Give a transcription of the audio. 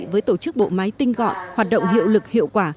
với tổ chức bộ máy tinh gọn hoạt động hiệu lực hiệu quả